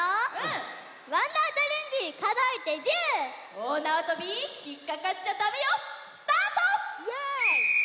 おおなわとびひっかかっちゃだめよスタート！